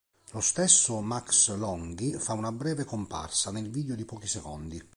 Lo stesso Max Longhi fa una breve comparsa nel video di pochi secondi.